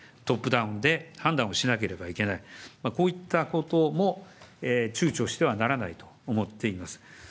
トップダウンで判断をしなければいけない、こういったこともちゅうちょしてはならないと思っています。